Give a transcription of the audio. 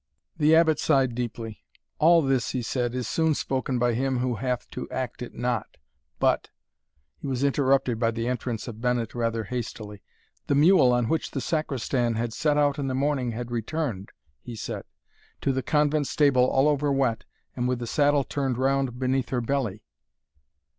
The Abbot sighed deeply. "All this," he said, "is soon spoken by him who hath to act it not; but " He was interrupted by the entrance of Bennet rather hastily. "The mule on which the Sacristan had set out in the morning had returned," he said, "to the convent stable all over wet, and with the saddle turned round beneath her belly."